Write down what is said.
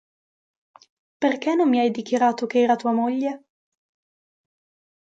Perché non mi hai dichiarato che era tua moglie?